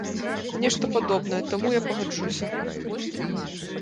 Нешта падобнае, таму, я пагаджуся.